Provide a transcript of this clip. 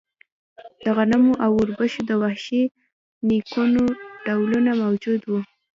د غنمو او اوربشو د وحشي نیکونو ډولونه موجود وو.